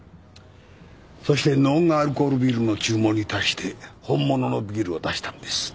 そしてノンアルコールビールの注文に対して本物のビールを出したんです。